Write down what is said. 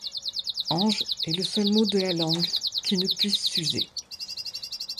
Ange est le seul mot de la langue qui ne puisse s'user.